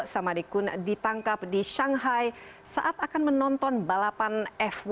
samadikun ditangkap di shanghai saat akan menonton balapan f satu